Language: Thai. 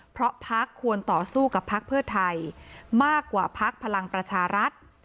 เพราะพักควรต่อสู้กับพักเพื่อไทยมากกว่าพักพลังประชารัฐ